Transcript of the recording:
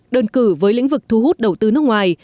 đơn cử với lĩnh vực thu hút đầu tư nước ngoài